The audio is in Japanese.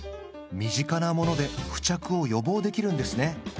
身近なもので付着を予防できるんですね